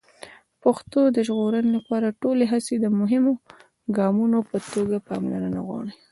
د پښتو د ژغورنې لپاره ټولې هڅې د مهمو ګامونو په توګه پاملرنه غواړي.